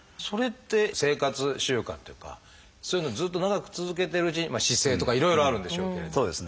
それって生活習慣というかそういうのをずっと長く続けてるうちに姿勢とかいろいろあるんでしょうけれど。